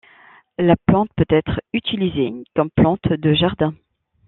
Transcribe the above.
La plante peut être utilisée comme plante de jardin.